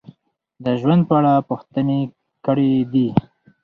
د ژوند په اړه پوښتنې کړې دي: